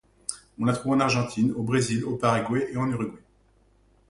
On la trouve en Argentine, au Brésil, au Paraguay et en Uruguay.